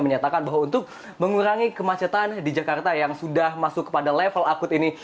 menyatakan bahwa untuk mengurangi kemacetan di jakarta yang sudah masuk kepada level akut ini